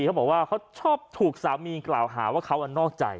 เขาบอกว่าเขาชอบถูกสามีกล่าวหาว่าเขานอกใจ